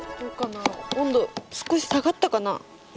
温度少し下がったかな？